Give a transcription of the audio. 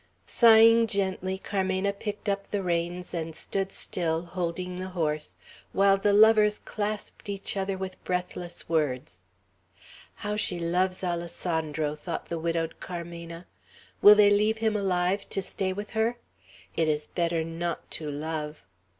Sighing gently, Carmena picked up the reins, and stood still, holding the horse, while the lovers clasped each other with breathless words. "How she loves Alessandro!" thought the widowed Carmena. "Will they leave him alive to stay with her? It is better not to love!"